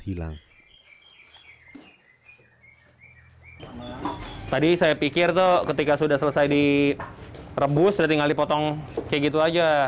tadi saya pikir ketika sudah selesai direbus tinggal dipotong kayak gitu aja